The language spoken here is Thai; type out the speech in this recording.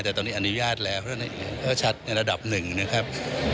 แต่ตอนนี้อนุญาตแล้วก็ชัดในระดับหนึ่งนะครับ